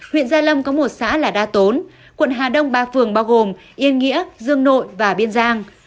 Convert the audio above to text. huyện gia lâm có một xã là đa tốn quận hà đông ba phường bao gồm yên nghĩa dương nội và biên giang